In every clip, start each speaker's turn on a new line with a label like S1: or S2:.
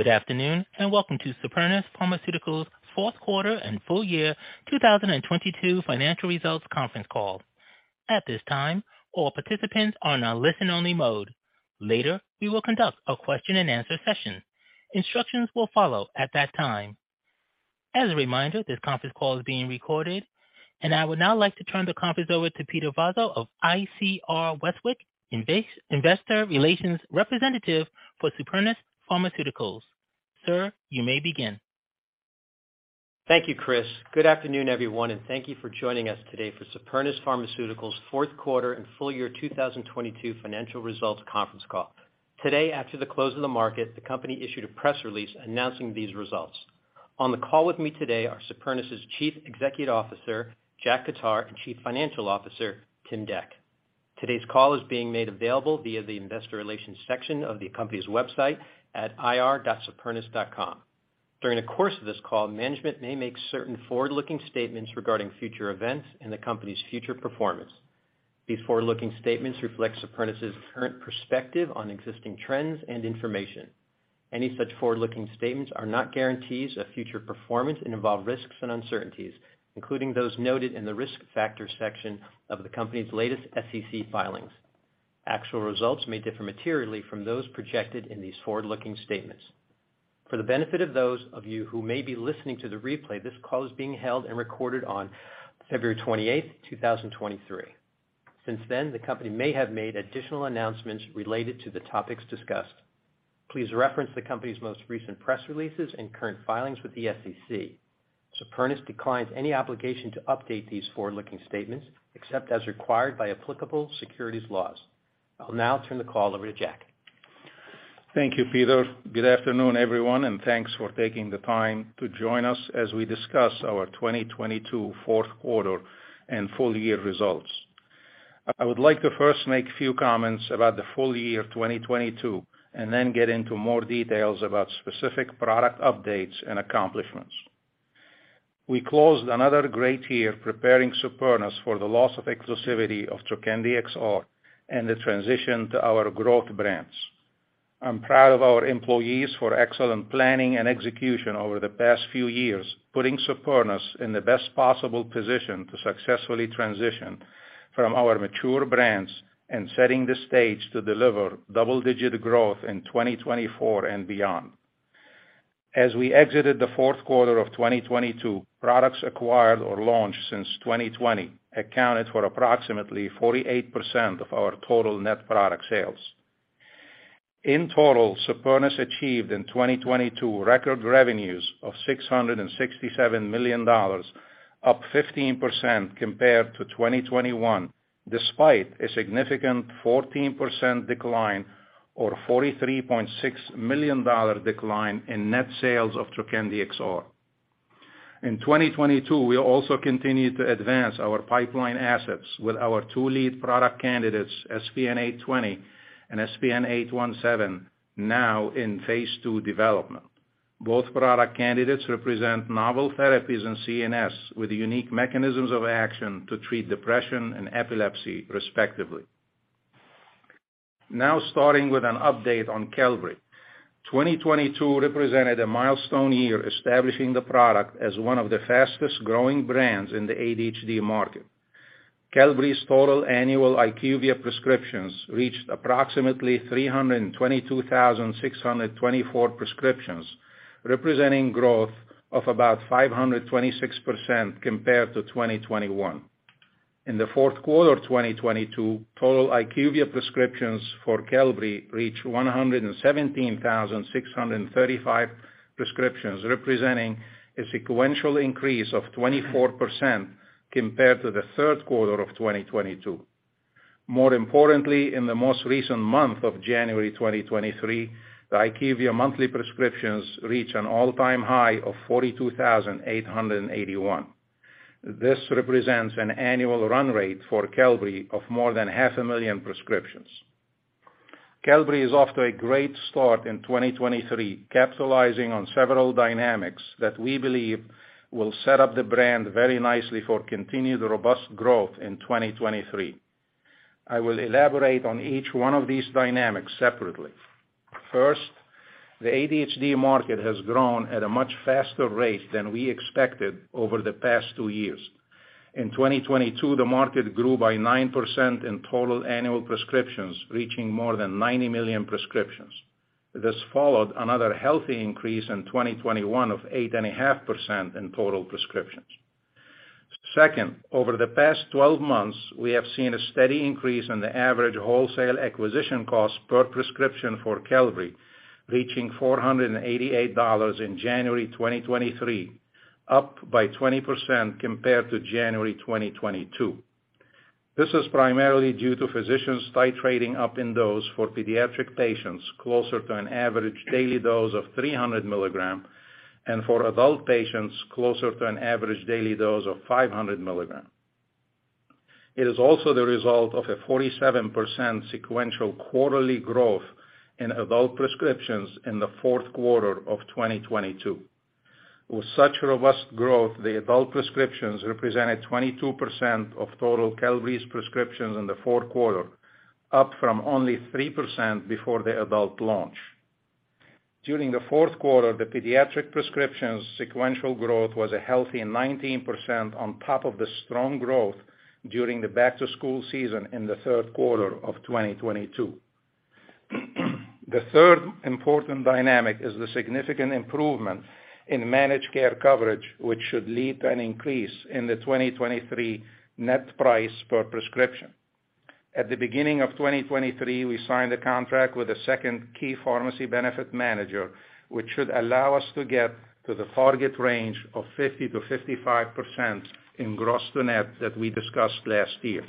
S1: Good afternoon, welcome to Supernus Pharmaceuticals' fourth quarter and full year 2022 financial results conference call. At this time, all participants are in a listen-only mode. Later, we will conduct a question-and-answer session. Instructions will follow at that time. As a reminder, this conference call is being recorded. I would now like to turn the conference over to Peter Vozzo of ICR Westwicke, investor relations representative for Supernus Pharmaceuticals. Sir, you may begin.
S2: Thank you, Chris. Good afternoon, everyone, thank you for joining us today for Supernus Pharmaceuticals' fourth quarter and full year 2022 financial results conference call. Today, after the close of the market, the company issued a press release announcing these results. On the call with me today are Supernus' Chief Executive Officer, Jack Khattar, and Chief Financial Officer, Tim Dec. Today's call is being made available via the investor relations section of the company's website at ir.supernus.com. During the course of this call, management may make certain forward-looking statements regarding future events and the company's future performance. These forward-looking statements reflect Supernus' current perspective on existing trends and information. Any such forward-looking statements are not guarantees of future performance and involve risks and uncertainties, including those noted in the Risk Factors section of the company's latest SEC filings. Actual results may differ materially from those projected in these forward-looking statements. For the benefit of those of you who may be listening to the replay, this call is being held and recorded on 28 February 2023. Since then, the company may have made additional announcements related to the topics discussed. Please reference the company's most recent press releases and current filings with the SEC. Supernus declines any obligation to update these forward-looking statements, except as required by applicable securities laws. I'll now turn the call over to Jack.
S3: Thank you, Peter. Good afternoon, everyone, and thanks for taking the time to join us as we discuss our 2022 fourth quarter and full year results. I would like to first make few comments about the full year of 2022, and then get into more details about specific product updates and accomplishments. We closed another great year preparing Supernus for the loss of exclusivity of Trokendi XR and the transition to our growth brands. I'm proud of our employees for excellent planning and execution over the past few years, putting Supernus in the best possible position to successfully transition from our mature brands and setting the stage to deliver double-digit growth in 2024 and beyond. As we exited the fourth quarter of 2022, products acquired or launched since 2020 accounted for approximately 48% of our total net product sales. In total, Supernus achieved in 2022 record revenues of $667 million, up 15% compared to 2021, despite a significant 14% decline or $43.6 million decline in net sales of Trokendi XR. In 2022, we also continued to advance our pipeline assets with our two lead product candidates, SPN-820 and SPN-817, now in Phase II development. Both product candidates represent novel therapies in CNS with unique mechanisms of action to treat depression and epilepsy, respectively. Starting with an update on Qelbree. 2022 represented a milestone year establishing the product as one of the fastest-growing brands in the ADHD market. Qelbree's total annual IQVIA prescriptions reached approximately 322,624 prescriptions, representing growth of about 526% compared to 2021. In the fourth quarter of 2022, total IQVIA prescriptions for Qelbree reached 117,635 prescriptions, representing a sequential increase of 24% compared to the third quarter of 2022. More importantly, in the most recent month of January 2023, the IQVIA monthly prescriptions reached an all-time high of 42,881. This represents an annual run rate for Qelbree of more than half a million prescriptions. Qelbree is off to a great start in 2023, capitalizing on several dynamics that we believe will set up the brand very nicely for continued robust growth in 2023. I will elaborate on each one of these dynamics separately. First, the ADHD market has grown at a much faster rate than we expected over the past two years. In 2022, the market grew by 9% in total annual prescriptions, reaching more than 90 million prescriptions. This followed another healthy increase in 2021 of 8.5% in total prescriptions. Over the past 12 months, we have seen a steady increase in the average wholesale acquisition cost per prescription for Qelbree, reaching $488 in January 2023, up by 20% compared to January 2022. This is primarily due to physicians titrating up in dose for pediatric patients closer to an average daily dose of 300 milligrams, and for adult patients closer to an average daily dose of 500 milligrams. It is also the result of a 47% sequential quarterly growth in adult prescriptions in the fourth quarter of 2022. With such robust growth, the adult prescriptions represented 22% of total Qelbree prescriptions in the fourth quarter, up from only 3% before the adult launch. During the fourth quarter, the pediatric prescriptions sequential growth was a healthy 19% on top of the strong growth during the back-to-school season in the third quarter of 2022. The third important dynamic is the significant improvement in managed care coverage, which should lead to an increase in the 2023 net price per prescription. At the beginning of 2023, we signed a contract with a second key pharmacy benefit manager, which should allow us to get to the target range of 50%-55% in gross-to-net that we discussed last year.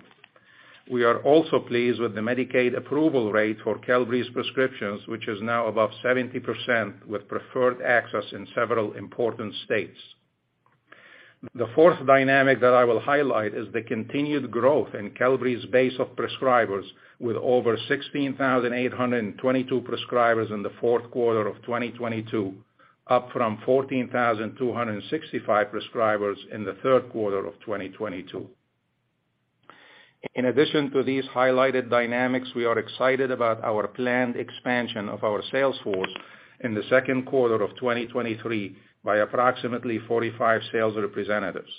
S3: We are also pleased with the Medicaid approval rate for Qelbree prescriptions, which is now above 70% with preferred access in several important states. The fourth dynamic that I will highlight is the continued growth in Qelbree's base of prescribers with over 16,822 prescribers in the fourth quarter of 2022, up from 14,265 prescribers in the third quarter of 2022. In addition to these highlighted dynamics, we are excited about our planned expansion of our sales force in the second quarter of 2023 by approximately 45 sales representatives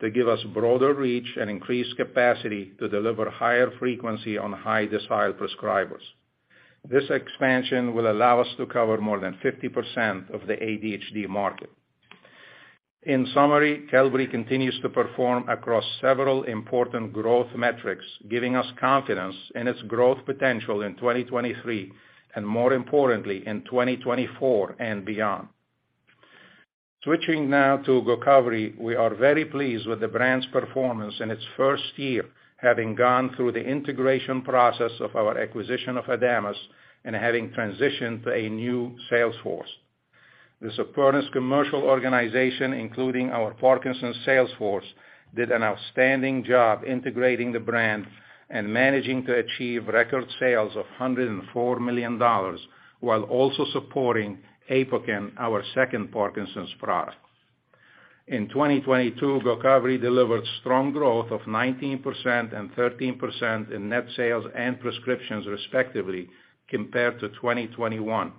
S3: to give us broader reach and increased capacity to deliver higher frequency on high-desire prescribers. This expansion will allow us to cover more than 50% of the ADHD market. In summary, Qelbree continues to perform across several important growth metrics, giving us confidence in its growth potential in 2023, and more importantly, in 2024 and beyond. Switching now to Gocovri, we are very pleased with the brand's performance in its first year, having gone through the integration process of our acquisition of Adamas and having transitioned to a new sales force. The Supernus commercial organization, including our Parkinson's sales force, did an outstanding job integrating the brand and managing to achieve record sales of $104 million while also supporting Apokyn, our second Parkinson's product. In 2022, Gocovri delivered strong growth of 19% and 13% in net sales and prescriptions, respectively, compared to 2021,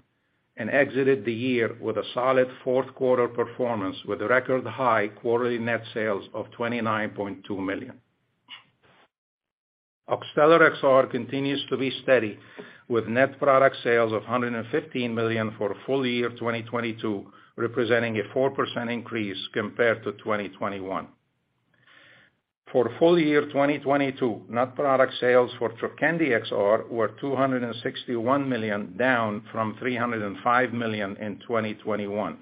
S3: and exited the year with a solid fourth quarter performance with a record-high quarterly net sales of $29.2 million. Oxtellar XR continues to be steady with net product sales of $115 million for full year 2022, representing a 4% increase compared to 2021. For full year 2022, net product sales for Trokendi XR were $261 million, down from $305 million in 2021.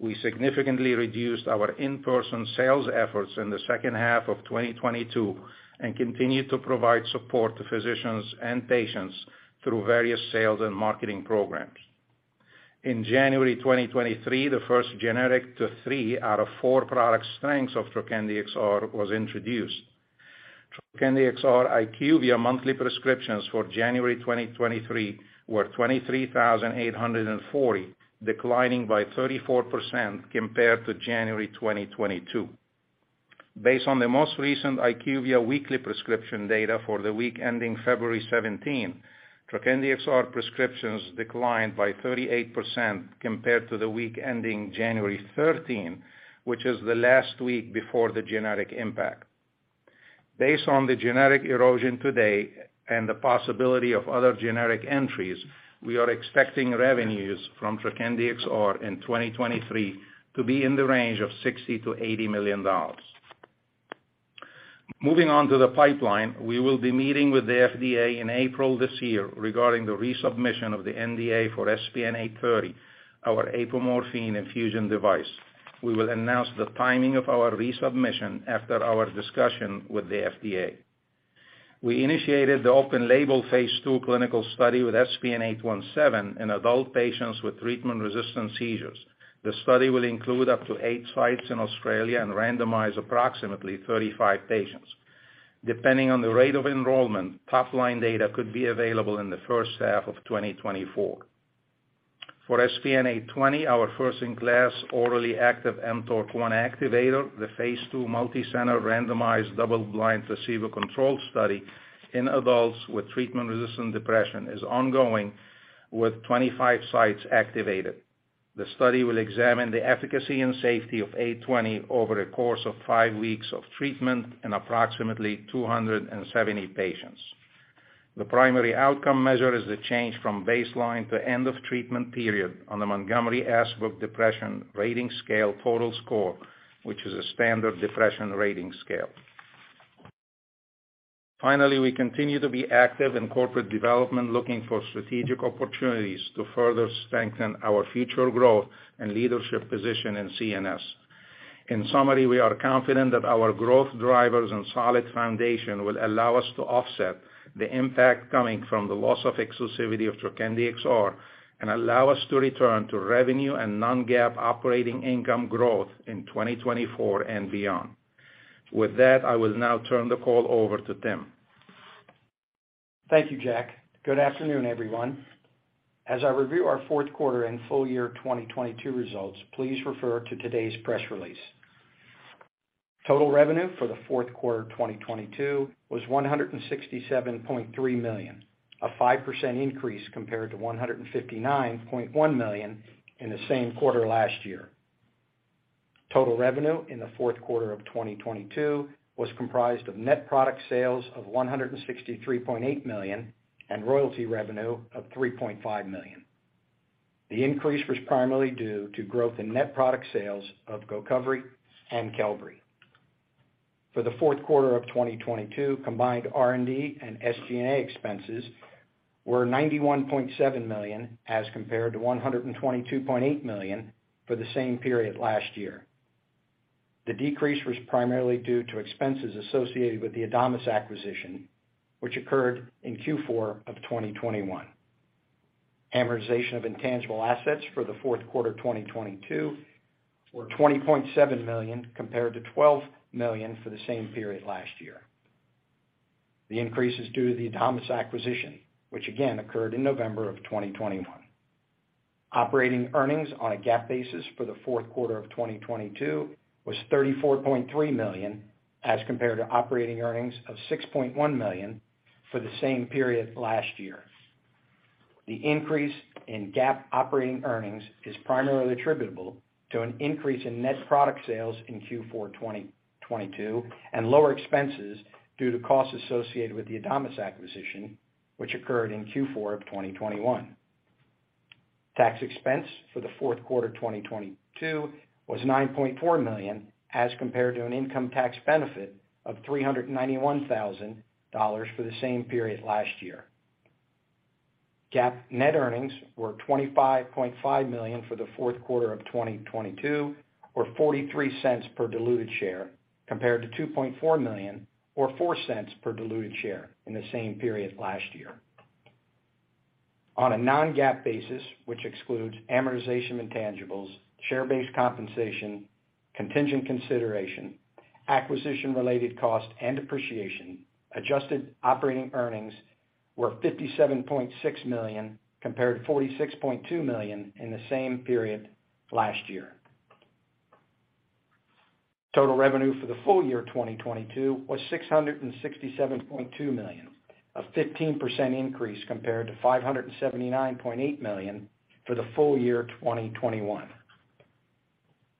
S3: We significantly reduced our in-person sales efforts in the second half of 2022 and continued to provide support to physicians and patients through various sales and marketing programs. In January 2023, the first generic to three out of four product strengths of Trokendi XR was introduced. Trokendi XR IQVIA monthly prescriptions for January 2023 were 23,840, declining by 34% compared to January 2022. Based on the most recent IQVIA weekly prescription data for the week ending 17 February, Trokendi XR prescriptions declined by 38% compared to the week ending 13 January, which is the last week before the generic impact. Based on the generic erosion today and the possibility of other generic entries, we are expecting revenues from Trokendi XR in 2023 to be in the range of $60 million-$80 million. Moving on to the pipeline, we will be meeting with the FDA in April this year regarding the resubmission of the NDA for SPN-830, our apomorphine infusion device. We will announce the timing of our resubmission after our discussion with the FDA. We initiated the open label phase II clinical study with SPN-817 in adult patients with treatment-resistant seizures. The study will include up to eight sites in Australia and randomize approximately 35 patients. Depending on the rate of enrollment, top-line data could be available in the first half of 2024. For SPN-820, our first-in-class orally active mTORC1 activator, the phase II multicenter randomized double-blind placebo-controlled study in adults with treatment-resistant depression is ongoing with 25 sites activated. The study will examine the efficacy and safety of 820 over a course of five weeks of treatment in approximately 270 patients. The primary outcome measure is the change from baseline to end of treatment period on the Montgomery-Åsberg Depression Rating Scale total score, which is a standard depression rating scale. Finally, we continue to be active in corporate development, looking for strategic opportunities to further strengthen our future growth and leadership position in CNS. In summary, we are confident that our growth drivers and solid foundation will allow us to offset the impact coming from the loss of exclusivity of Trokendi XR and allow us to return to revenue and non-GAAP operating income growth in 2024 and beyond. With that, I will now turn the call over to Tim.
S4: Thank you, Jack. Good afternoon, everyone. As I review our fourth quarter and full year 2022 results, please refer to today's press release. Total revenue for the fourth quarter of 2022 was $167.3 million, a 5% increase compared to $159.1 million in the same quarter last year. Total revenue in the fourth quarter of 2022 was comprised of net product sales of $163.8 million and royalty revenue of $3.5 million. The increase was primarily due to growth in net product sales of Gocovri and Qelbree. For the fourth quarter of 2022, combined R&D and SG&A expenses were $91.7 million, as compared to $122.8 million for the same period last year. The decrease was primarily due to expenses associated with the Adamas acquisition, which occurred in Q4 of 2021. Amortization of intangible assets for the fourth quarter of 2022 were $20.7 million compared to $12 million for the same period last year. The increase is due to the Adamas acquisition, which again occurred in November of 2021. Operating earnings on a GAAP basis for the fourth quarter of 2022 was $34.3 million, as compared to operating earnings of $6.1 million for the same period last year. The increase in GAAP operating earnings is primarily attributable to an increase in net product sales in Q4 2022 and lower expenses due to costs associated with the Adamas acquisition, which occurred in Q4 of 2021. Tax expense for the fourth quarter of 2022 was $9.4 million, as compared to an income tax benefit of $391,000 for the same period last year. GAAP net earnings were $25.5 million for the fourth quarter of 2022, or $0.43 per diluted share, compared to $2.4 million or $0.04 per diluted share in the same period last year. On a non-GAAP basis, which excludes amortization intangibles, share-based compensation, contingent consideration, acquisition-related cost, and depreciation, adjusted operating earnings were $57.6 million, compared to $46.2 million in the same period last year. Total revenue for the full year 2022 was $667.2 million, a 15% increase compared to $579.8 million for the full year 2021.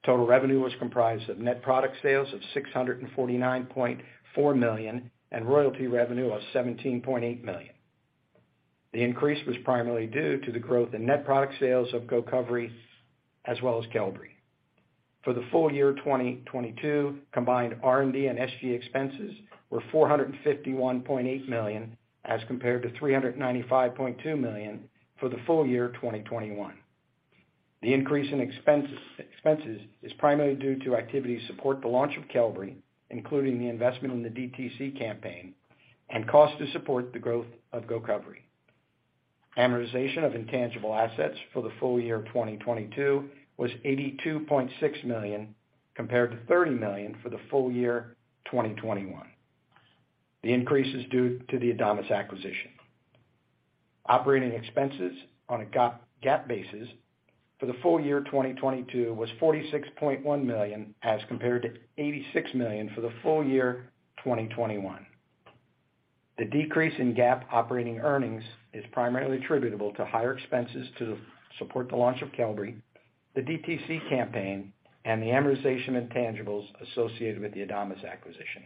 S4: Total revenue was comprised of net product sales of $649.4 million and royalty revenue of $17.8 million. The increase was primarily due to the growth in net product sales of Gocovri as well as Qelbree. For the full year 2022, combined R&D and SG&A expenses were $451.8 million, as compared to $395.2 million for the full year 2021. The increase in expenses is primarily due to activities to support the launch of Qelbree, including the investment in the DTC campaign and cost to support the growth of Gocovri. Amortization of intangible assets for the full year of 2022 was $82.6 million, compared to $30 million for the full year 2021. The increase is due to the Adamas acquisition. Operating expenses on a GAAP basis for the full year 2022 was $46.1 million as compared to $86 million for the full year 2021. The decrease in GAAP operating earnings is primarily attributable to higher expenses to support the launch of Qelbree, the DTC campaign, and the amortization intangibles associated with the Adamas acquisition.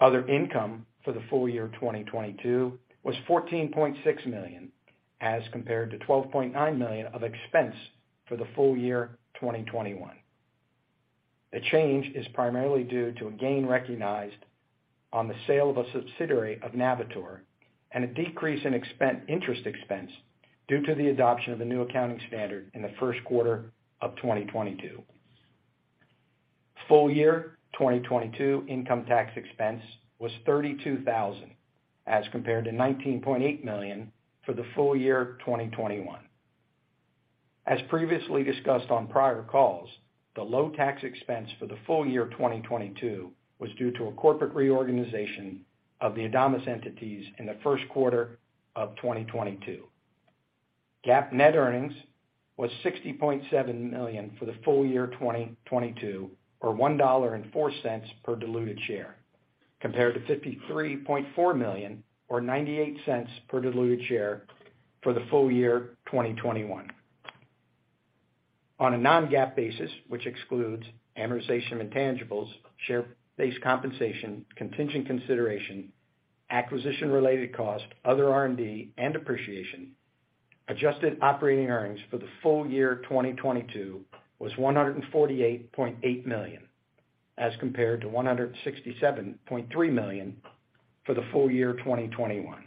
S4: Other income for the full year of 2022 was $14.6 million, as compared to $12.9 million of expense for the full year 2021. The change is primarily due to a gain recognized on the sale of a subsidiary of Navitor and a decrease in interest expense due to the adoption of a new accounting standard in the first quarter of 2022. Full year 2022 income tax expense was $32,000, as compared to $19.8 million for the full year 2021. As previously discussed on prior calls, the low tax expense for the full year of 2022 was due to a corporate reorganization of the Adamas entities in the first quarter of 2022. GAAP net earnings was $60.7 million for the full year 2022, or $1.04 per diluted share, compared to $53.4 million or $0.98 per diluted share for the full year 2021. On a non-GAAP basis, which excludes amortization of intangibles, share-based compensation, contingent consideration, acquisition-related cost, other R&D, and depreciation, adjusted operating earnings for the full year 2022 was $148.8 million, as compared to $167.3 million for the full year 2021.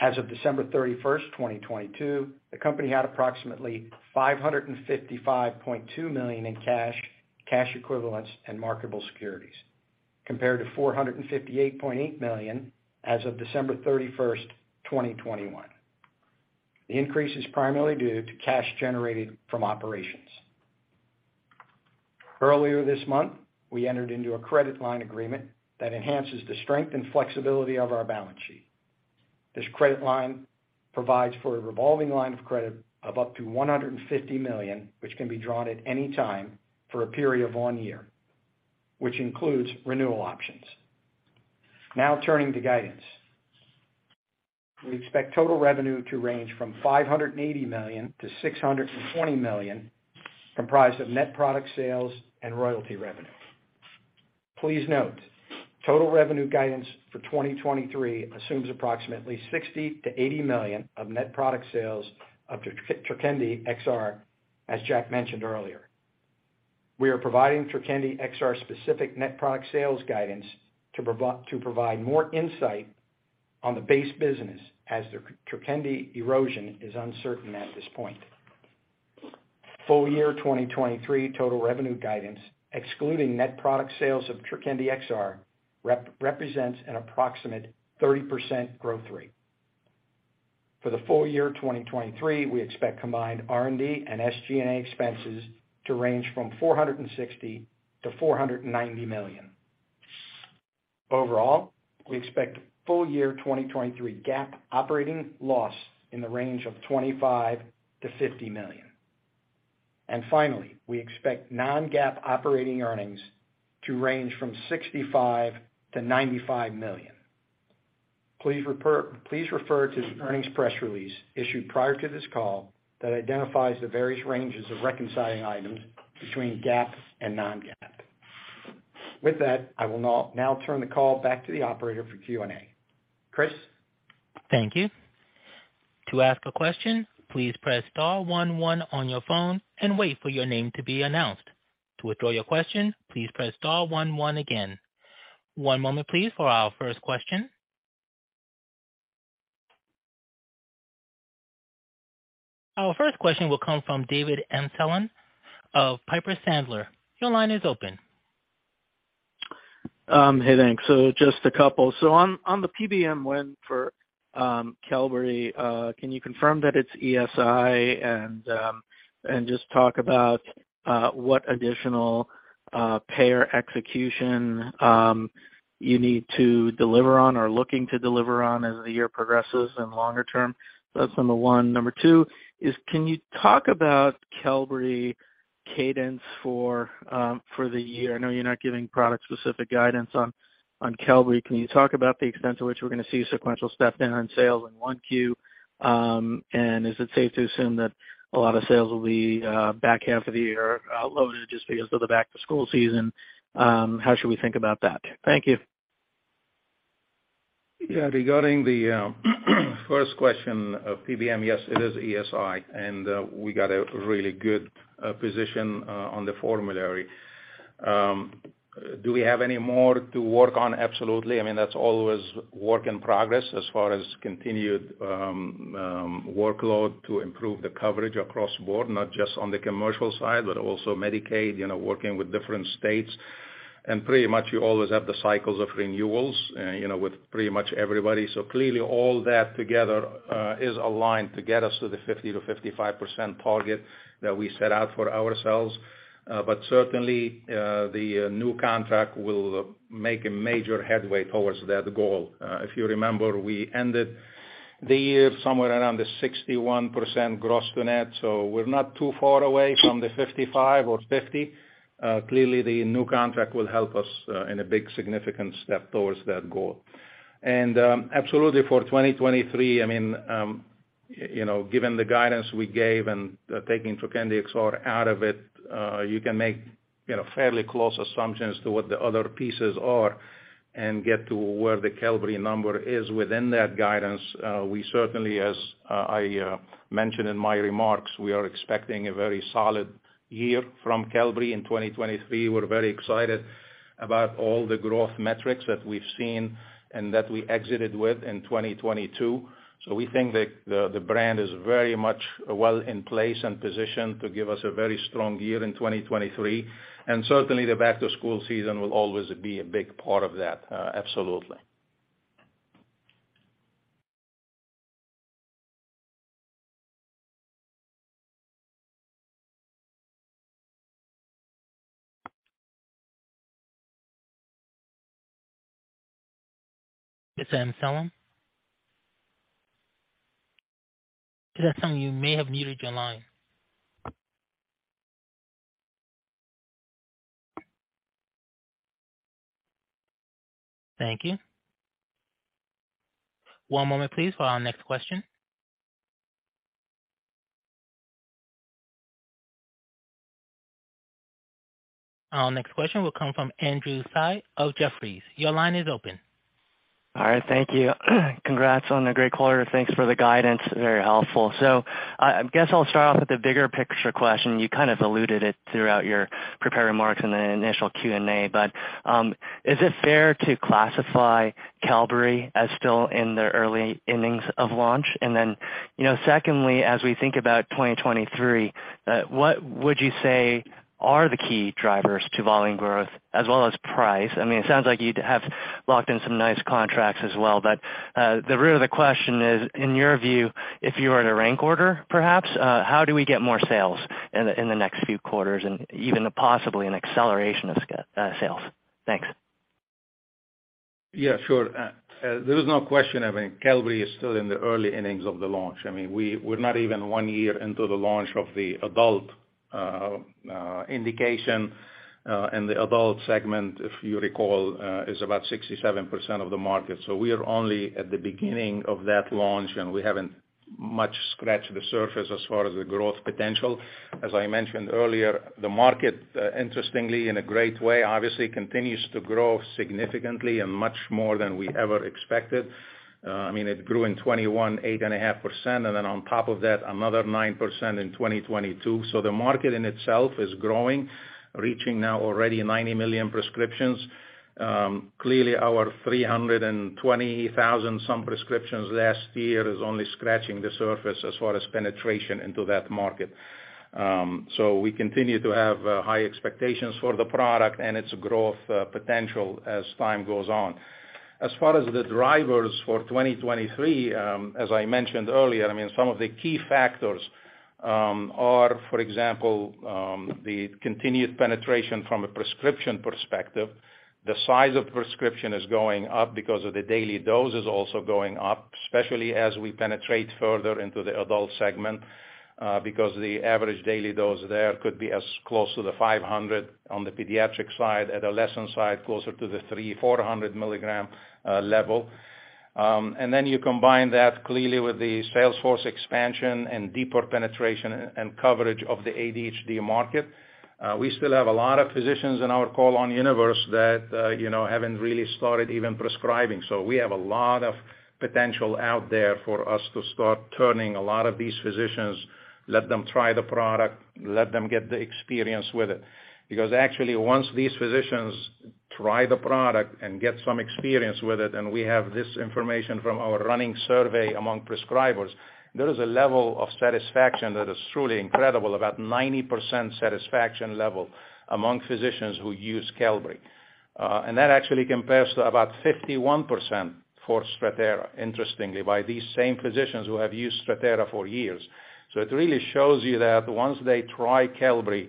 S4: As of 31 December 2022, the company had approximately $555.2 million in cash equivalents, and marketable securities, compared to $458.8 million as of 31 December 2021. The increase is primarily due to cash generated from operations. Earlier this month, we entered into a credit line agreement that enhances the strength and flexibility of our balance sheet. This credit line provides for a revolving line of credit of up to $150 million, which can be drawn at any time for a period of one year, which includes renewal options. Turning to guidance. We expect total revenue to range from $580 million-$620 million, comprised of net product sales and royalty revenue. Please note, total revenue guidance for 2023 assumes approximately $60 million-$80 million of net product sales of Trokendi XR, as Jack mentioned earlier. We are providing Trokendi XR specific net product sales guidance to provide more insight on the base business as the Trokendi erosion is uncertain at this point. Full year 2023 total revenue guidance, excluding net product sales of Trokendi XR, represents an approximate 30% growth rate. For the full year 2023, we expect combined R&D and SG&A expenses to range from $460 million-$490 million. Overall, we expect full year 2023 GAAP operating loss in the range of $25 million-$50 million. Finally, we expect non-GAAP operating earnings to range from $65 million-$95 million. Please refer to the earnings press release issued prior to this call that identifies the various ranges of reconciling items between GAAP and non-GAAP. With that, I will now turn the call back to the operator for Q&A. Chris?
S1: Thank you. To ask a question, please press star one one on your phone and wait for your name to be announced. To withdraw your question, please press star one one again. One moment please for our first question. Our first question will come from David Amsellem of Piper Sandler. Your line is open.
S5: Hey, thanks. Just a couple. On the PBM win for Qelbree, can you confirm that it's ESI and just talk about what additional payer execution you need to deliver on or looking to deliver on as the year progresses and longer term? That's number one. Number two is can you talk about Qelbree cadence for the year? I know you're not giving product specific guidance on Qelbree. Can you talk about the extent to which we're gonna see sequential step down in sales in 1Q, and is it safe to assume that a lot of sales will be back half of the year loaded just because of the back-to-school season? How should we think about that? Thank you.
S4: Regarding the first question of PBM, yes, it is ESI, we got a really good position on the formulary. Do we have any more to work on? Absolutely. I mean, that's always work in progress as far as continued workload to improve the coverage across the board, not just on the commercial side, but also Medicaid, you know, working with different states. Pretty much you always have the cycles of renewals, you know, with pretty much everybody. Clearly all that together is aligned to get us to the 50%-55% target that we set out for ourselves. Certainly, the new contract will make a major headway towards that goal. If you remember, we ended the year somewhere around the 61% gross-to-net. We're not too far away from the 55 or 50. Clearly the new contract will help us in a big significant step towards that goal. Absolutely for 2023, I mean, you know, given the guidance we gave and taking Trokendi XR out of it, you can make, you know, fairly close assumptions to what the other pieces are and get to where the Qelbree number is within that guidance. We certainly, as I mentioned in my remarks, we are expecting a very solid year from Qelbree in 2023. We're very excited about all the growth metrics that we've seen and that we exited with in 2022. We think the brand is very much well in place and positioned to give us a very strong year in 2023. Certainly the back-to-school season will always be a big part of that, absolutely.
S1: You may have muted your line. Thank you. One moment please for our next question. Our next question will come from Andrew Tsai of Jefferies. Your line is open.
S6: All right. Thank you. Congrats on a great quarter. Thanks for the guidance, very helpful. I guess I'll start off with the bigger picture question. You kind of alluded it throughout your prepared remarks in the initial Q&A, but is it fair to classify Qelbree as still in the early innings of launch? You know, secondly, as we think about 2023, what would you say are the key drivers to volume growth as well as price? I mean, it sounds like you have locked in some nice contracts as well. The root of the question is, in your view, if you were to rank order, perhaps, how do we get more sales in the, in the next few quarters and even possibly an acceleration of sales? Thanks.
S3: Sure. There is no question. I mean, Qelbree is still in the early innings of the launch. I mean, we're not even 1 year into the launch of the adult indication. And the adult segment, if you recall, is about 67% of the market. We are only at the beginning of that launch, and we haven't much scratched the surface as far as the growth potential. As I mentioned earlier, the market, interestingly, in a great way, obviously continues to grow significantly and much more than we ever expected. I mean, it grew in 2021, 8.5%, and then on top of that, another 9% in 2022. The market in itself is growing, reaching now already 90 million prescriptions. Clearly, our 320,000 some prescriptions last year is only scratching the surface as far as penetration into that market. We continue to have high expectations for the product and its growth potential as time goes on. As far as the drivers for 2023, as I mentioned earlier, I mean, some of the key factors are, for example, the continued penetration from a prescription perspective. The size of prescription is going up because of the daily dose is also going up, especially as we penetrate further into the adult segment, because the average daily dose there could be as close to the 500 on the pediatric side, adolescent side, closer to the 300-400 milligram level. Then you combine that clearly with the sales force expansion and deeper penetration and coverage of the ADHD market. We still have a lot of physicians in our call on universe that, you know, haven't really started even prescribing. We have a lot of potential out there for us to start turning a lot of these physicians, let them try the product, let them get the experience with it. Actually, once these physicians try the product and get some experience with it, and we have this information from our running survey among prescribers, there is a level of satisfaction that is truly incredible, about 90% satisfaction level among physicians who use Qelbree. That actually compares to about 51% for Strattera, interestingly, by these same physicians who have used Strattera for years. It really shows you that once they try Qelbree,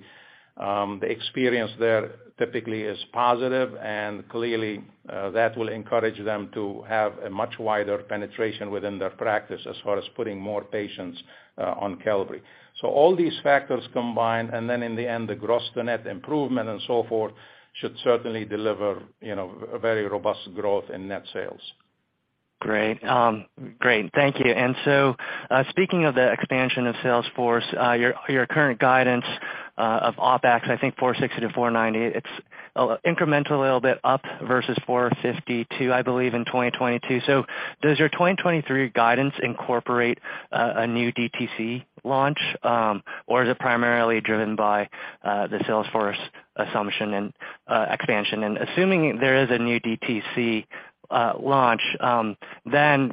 S3: the experience there typically is positive, and clearly, that will encourage them to have a much wider penetration within their practice as far as putting more patients on Qelbree. All these factors combined, and then in the end, the gross-to-net improvement and so forth, should certainly deliver, you know, a very robust growth in net sales.
S6: Great. Great. Thank you. Speaking of the expansion of sales force, your current guidance of OpEx, I think $460-$490, it's incremental a little bit up versus $452, I believe, in 2022. Does your 2023 guidance incorporate a new DTC launch, or is it primarily driven by the sales force assumption and expansion? Assuming there is a new DTC launch,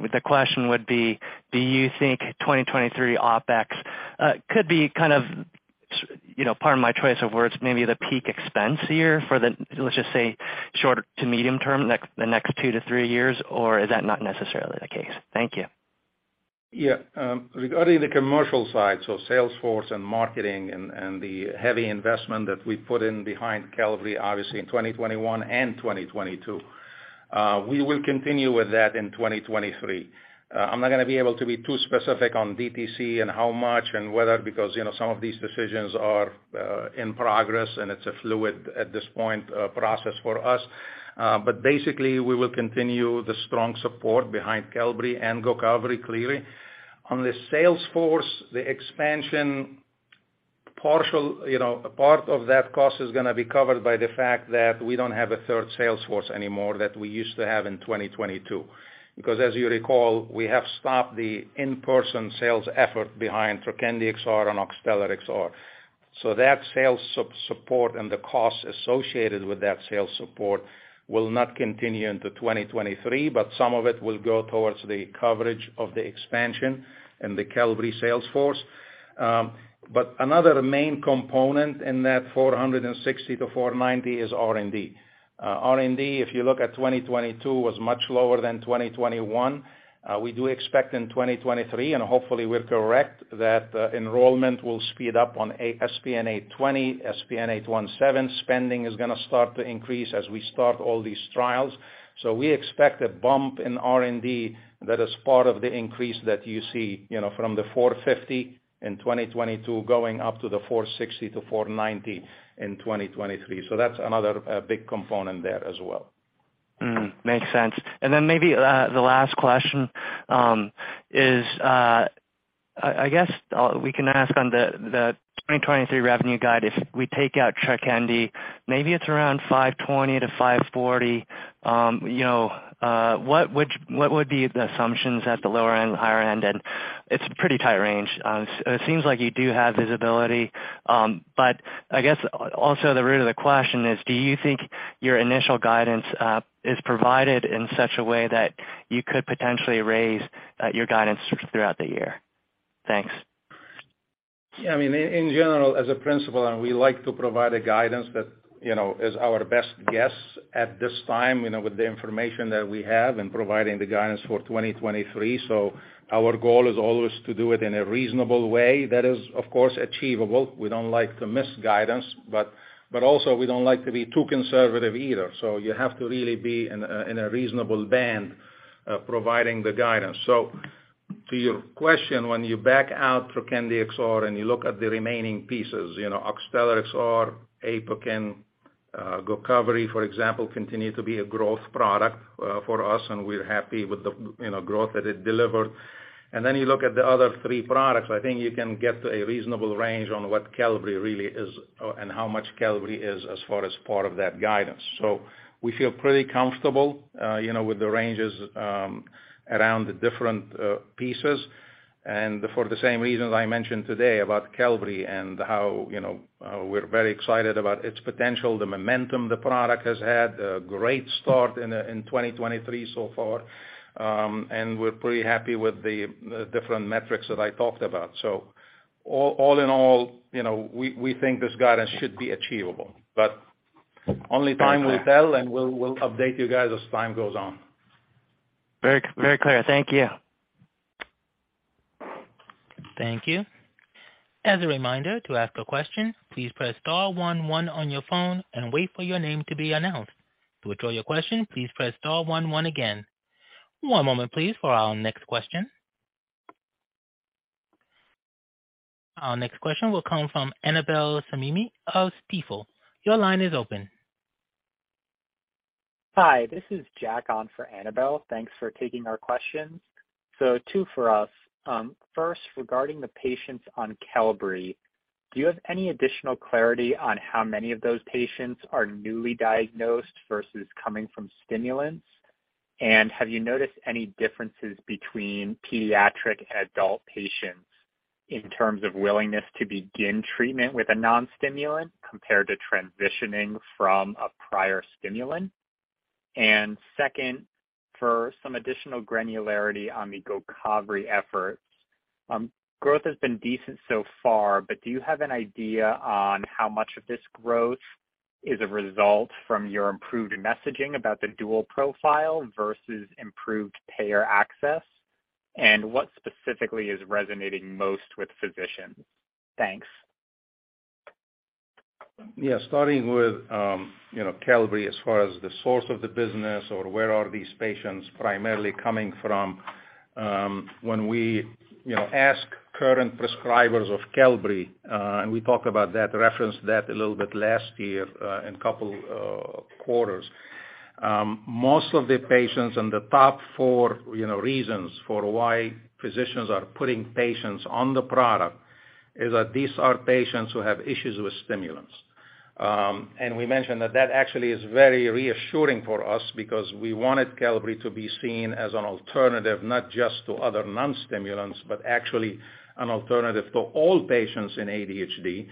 S6: the question would be, do you think 2023 OpEx could be kind of, you know, pardon my choice of words, maybe the peak expense year for the, let's just say, short to medium term, the next two-three years, or is that not necessarily the case? Thank you.
S3: Yeah. Regarding the commercial side, sales force and marketing and the heavy investment that we put in behind Qelbree, obviously in 2021 and 2022, we will continue with that in 2023. I'm not gonna be able to be too specific on DTC and how much and whether, because, you know, some of these decisions are in progress, and it's a fluid at this point process for us. Basically, we will continue the strong support behind Qelbree and Gocovri, clearly. On the sales force, the expansion partial, you know, part of that cost is gonna be covered by the fact that we don't have a third sales force anymore that we used to have in 2022. As you recall, we have stopped the in-person sales effort behind Trokendi XR and Oxtellar XR. That sales support and the costs associated with that sales support will not continue into 2023, but some of it will go towards the coverage of the expansion in the Qelbree sales force. Another main component in that $460-$490 is R&D. R&D, if you look at 2022, was much lower than 2021. We do expect in 2023, and hopefully we're correct, that enrollment will speed up on SPN-820, SPN-817. Spending is gonna start to increase as we start all these trials. We expect a bump in R&D that is part of the increase that you see, you know, from the $450 in 2022 going up to the $460-$490 in 2023. That's another big component there as well.
S6: Makes sense. Then maybe, the last question is, I guess, we can ask on the 2023 revenue guide, if we take out Trokendi XR, maybe it's around $520 million-$540 million. You know, what would be the assumptions at the lower end, higher end? It's pretty tight range. It seems like you do have visibility. I guess also the root of the question is, do you think your initial guidance is provided in such a way that you could potentially raise your guidance throughout the year? Thanks.
S3: Yeah. I mean, in general, as a principle, We like to provide a guidance that, you know, is our best guess at this time, you know, with the information that we have in providing the guidance for 2023. Our goal is always to do it in a reasonable way that is, of course, achievable. We don't like to miss guidance, but also we don't like to be too conservative either. You have to really be in a, in a reasonable band, providing the guidance. To your question, when you back out Trokendi XR and you look at the remaining pieces, you know, Oxtellar XR, Apokyn, Gocovri, for example, continue to be a growth product, for us, We're happy with the, you know, growth that it delivered. You look at the other three products, I think you can get to a reasonable range on what Qelbree really is, and how much Qelbree is as far as part of that guidance. We feel pretty comfortable, you know, with the ranges around the different pieces. For the same reasons I mentioned today about Qelbree and how, you know, we're very excited about its potential, the momentum the product has had, a great start in 2023 so far. We're pretty happy with the different metrics that I talked about. All in all, you know, we think this guidance should be achievable. Only time will tell, and we'll update you guys as time goes on.
S6: Very, very clear. Thank you.
S1: Thank you. As a reminder, to ask a question, please press star one one on your phone and wait for your name to be announced. To withdraw your question, please press star one one again. One moment, please, for our next question. Our next question will come from Annabel Samimy of Stifel. Your line is open.
S7: Hi, this is Jack on for Annabel. Thanks for taking our questions. Two for us. First, regarding the patients on Qelbree, do you have any additional clarity on how many of those patients are newly diagnosed versus coming from stimulants? Have you noticed any differences between pediatric adult patients in terms of willingness to begin treatment with a non-stimulant compared to transitioning from a prior stimulant? Second, for some additional granularity on the Gocovri efforts. Growth has been decent so far, but do you have an idea on how much of this growth is a result from your improved messaging about the dual profile versus improved payer access? What specifically is resonating most with physicians? Thanks.
S3: Starting with, you know, Qelbree as far as the source of the business or where are these patients primarily coming from. When we, you know, ask current prescribers of Qelbree, and we talk about that, referenced that a little bit last year, in a couple quarters. Most of the patients and the top four, you know, reasons for why physicians are putting patients on the product is that these are patients who have issues with stimulants. We mentioned that that actually is very reassuring for us because we wanted Qelbree to be seen as an alternative not just to other non-stimulants but actually an alternative to all patients in ADHD,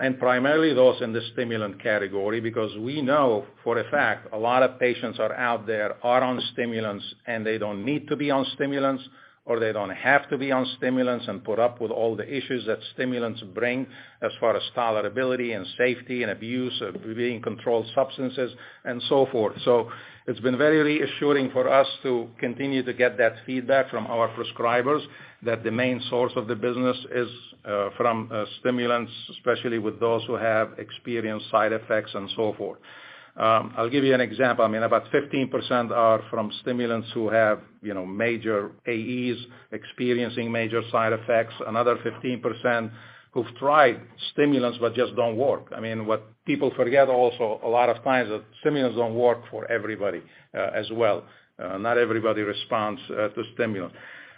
S3: and primarily those in the stimulant category, because we know for a fact a lot of patients are out there, are on stimulants, and they don't need to be on stimulants or they don't have to be on stimulants and put up with all the issues that stimulants bring as far as tolerability and safety and abuse of being controlled substances and so forth. It's been very reassuring for us to continue to get that feedback from our prescribers that the main source of the business is from stimulants, especially with those who have experienced side effects and so forth. I'll give you an example. I mean, about 15% are from stimulants who have, you know, major AEs, experiencing major side effects. Another 15% who've tried stimulants but just don't work. I mean, what people forget also a lot of times that stimulants don't work for everybody as well. Not everybody responds to stimulant.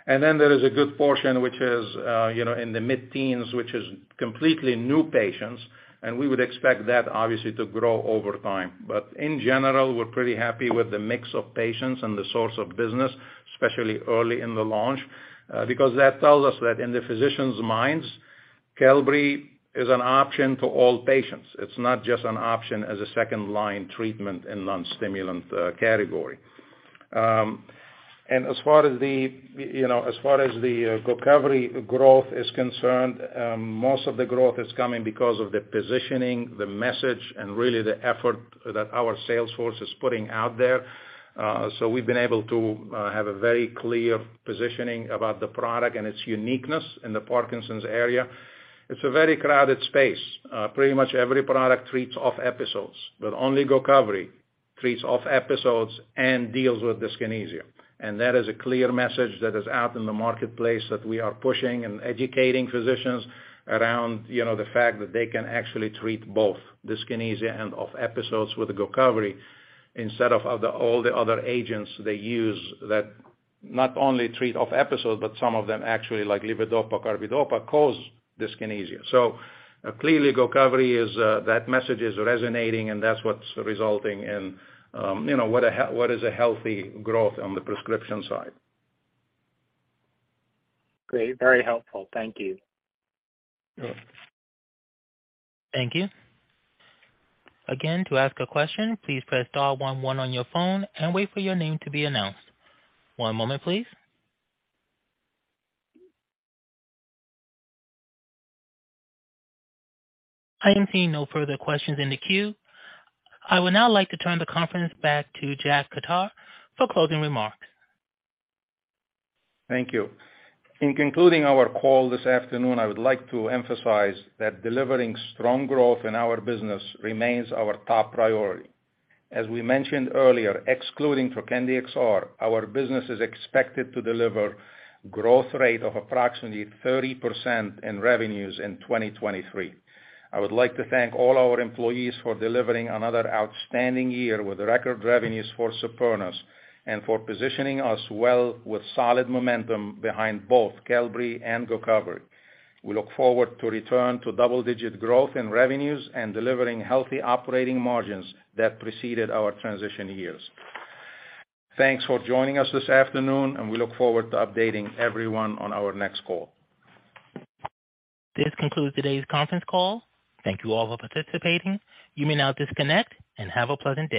S3: There is a good portion which is, you know, in the mid-teens, which is completely new patients, and we would expect that obviously to grow over time. In general, we're pretty happy with the mix of patients and the source of business, especially early in the launch, because that tells us that in the physicians' minds, Qelbree is an option to all patients. It's not just an option as a second-line treatment in non-stimulant category. As far as the, you know, as far as the Gocovri growth is concerned, most of the growth is coming because of the positioning, the message, and really the effort that our sales force is putting out there. We've been able to have a very clear positioning about the product and its uniqueness in the Parkinson's area. It's a very crowded space. Pretty much every product treats off episodes, but only Gocovri treats off episodes and deals with dyskinesia. That is a clear message that is out in the marketplace that we are pushing and educating physicians around, you know, the fact that they can actually treat both dyskinesia and off episodes with Gocovri instead of other, all the other agents they use that not only treat off episodes, but some of them actually, like levodopa, carbidopa, cause dyskinesia. Clearly Gocovri is, that message is resonating and that's what's resulting in, you know, what is a healthy growth on the prescription side.
S7: Great. Very helpful. Thank you.
S1: Thank you. To ask a question, please press star one one on your phone and wait for your name to be announced. One moment, please. I am seeing no further questions in the queue. I would now like to turn the conference back to Jack Khattar for closing remarks.
S3: Thank you. In concluding our call this afternoon, I would like to emphasize that delivering strong growth in our business remains our top priority. As we mentioned earlier, excluding Trokendi XR, our business is expected to deliver growth rate of approximately 30% in revenues in 2023. I would like to thank all our employees for delivering another outstanding year with record revenues for Supernus and for positioning us well with solid momentum behind both Qelbree and Gocovri. We look forward to return to double-digit growth in revenues and delivering healthy operating margins that preceded our transition years. Thanks for joining us this afternoon, and we look forward to updating everyone on our next call.
S1: This concludes today's conference call. Thank you all for participating. You may now disconnect and have a pleasant day.